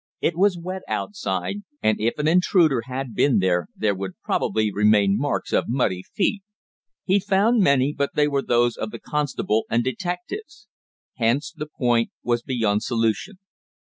It was wet outside, and if an intruder had been there, there would probably remain marks of muddy feet. He found many, but they were those of the constable and detectives. Hence the point was beyond solution.